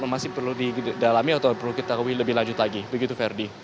masih perlu didalami atau perlu kita ketahui lebih lanjut lagi begitu ferdi